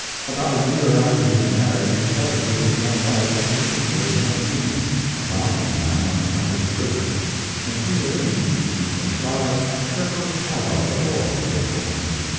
About a year after his marriage he settled with his young wife in Gainsborough, Tennessee, a mountain town on the Cumberland River, and here, in 1825, their first child, a boy, was born.